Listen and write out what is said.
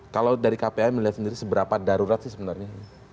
kalau dari kpai melihat sendiri seberapa darurat sih sebenarnya